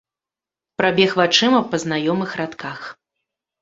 Прабег вачыма па знаёмых радках.